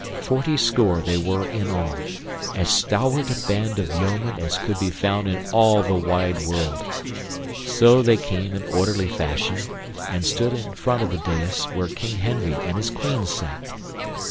Fortyscore they were in all, as stalwart a band of yeomen as could be found in all the wide world. So they came in orderly fashion and stood in front of the dais where King Henry and his Queen sat.